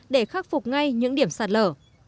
để khắc phục ngay những điểm sạt lở